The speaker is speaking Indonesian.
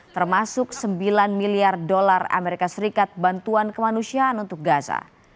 termasuk sembilan miliar dolar amerika serikat bantuan kemanusiaan untuk gaza